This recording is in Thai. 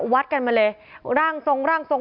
วัดกันมาเลยร่างทรงร่างทรง